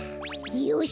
よし！